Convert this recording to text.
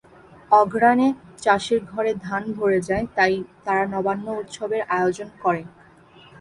অঘ্রাণে চাষির ঘরে ধান ভরে যায় তাই তারা নবান্ন উৎসবের আয়ােজন করে।